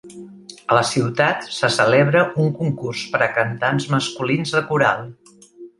A la ciutat se celebra un concurs per a cantants masculins de coral.